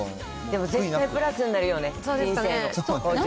でも、絶対プラスになるよね、人生の。